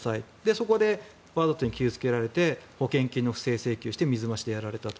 そこでわざと傷付けられて保険金の不正請求して水増しでやられたって。